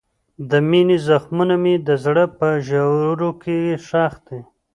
د مینې زخمونه مې د زړه په ژورو کې ښخ دي.